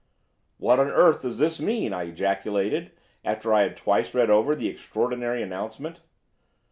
"What on earth does this mean?" I ejaculated after I had twice read over the extraordinary announcement.